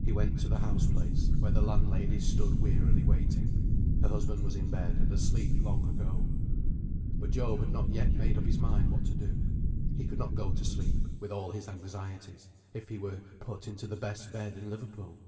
He went to the house place, where the landlady stood wearily waiting. Her husband was in bed, and asleep long ago. But Job had not yet made up his mind what to do. He could not go to sleep, with all his anxieties, if he were put into the best bed in Liverpool.